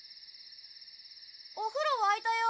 お風呂沸いたよ。